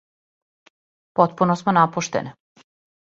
Потпуно смо напуштене.